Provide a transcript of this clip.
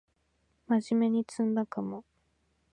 まじめに詰んだかも